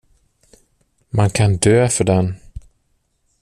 Man kan dö för den.